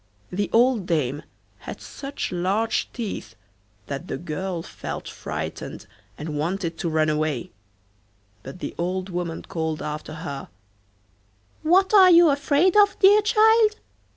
The old dame had such large teeth that the girl felt frightened and wanted to run away, but the old woman called after her: 'What are you afraid of, dear child?